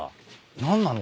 何なの？